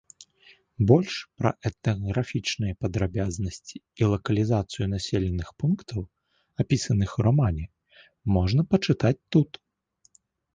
Больш пра этнаграфічныя падрабязнасці і лакалізацыю населеных пунктаў, апісаных у рамане, можна пачытаць тут.